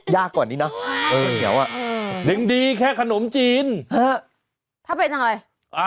ไม่นึกว่าคุณจะสาระ